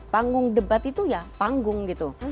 panggung debat itu ya panggung gitu